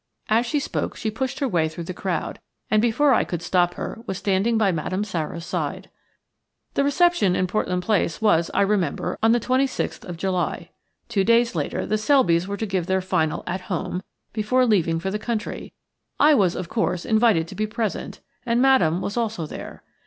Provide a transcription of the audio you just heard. As she spoke she pushed her way through the crowd, and before I could stop her was standing by Madame Sara's side. The reception in Portland Place was, I remember, on the 26th of July. Two days later the Selbys were to give their final "At home" before leaving for the country. I was, of course, invited to be present, and Madame was also there.